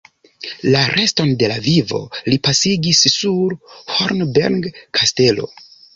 La reston de la vivo li pasigis sur Hornberg-kastelo.